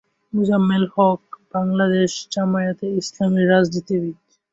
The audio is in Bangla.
মোজাম্মেল হক বাংলাদেশ জামায়াতে ইসলামীর রাজনীতিবিদ।